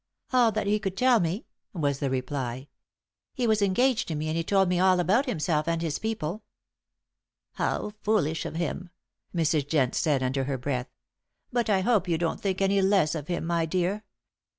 "All that he could tell me," was the reply. "He was engaged to me, and he told me all about himself and his people." "How foolish of him," Mrs. Jent said under her breath. "But I hope you don't think any the less of him, my dear.